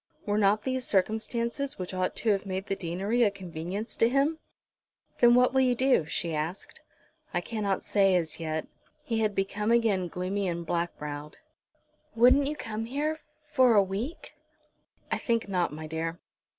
Were not these circumstances which ought to have made the deanery a convenience to him? "Then what will you do?" she asked. "I cannot say as yet." He had become again gloomy and black browed. "Wouldn't you come here for a week?" "I think not, my dear."